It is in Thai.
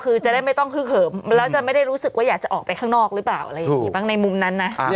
คือจะได้ไม่ต้องฮึกเหิมแล้วจะไม่ได้รู้สึกว่าอยากจะออกไปข้างนอกหรือเปล่าอะไรอย่างนี้บ้างในมุมนั้นนะ